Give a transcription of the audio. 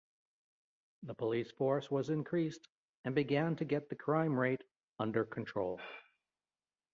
The police force was increased and began to get the crime rate under control.